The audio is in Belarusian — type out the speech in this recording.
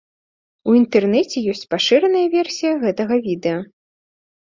У інтэрнэце ёсць пашыраная версія гэтага відэа.